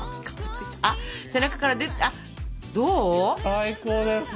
最高です。